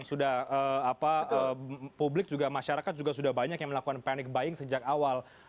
sudah apa publik juga masyarakat juga sudah banyak yang melakukan panic buying sejak awal